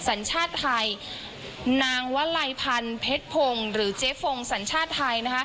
สัญชาติไทยนางวลัยพันธ์เพชรพงศ์หรือเจ๊ฟงสัญชาติไทย